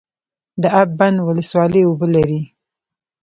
د اب بند ولسوالۍ اوبه لري